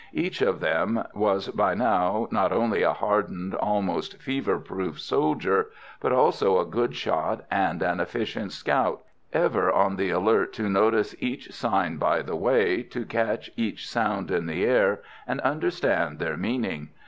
Each of them was now not only a hardened, almost fever proof soldier, but also a good shot and an efficient scout, ever on the alert to notice each sign by the way, to catch each sound in the air, and understand their meaning.